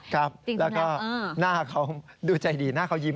ครับแล้วก็หน้าเขาดูใจดีหน้าเขายิ้ม